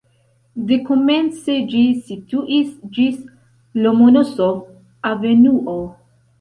Dekomence ĝi situis ĝis Lomonosov-avenuo.